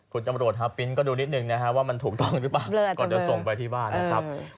คุณจำรวจฮาปริ้นก็ดูนิดนึงนะฮะว่ามันถูกต้องหรือเปล่าก่อนจะส่งไปที่บ้านนะครับ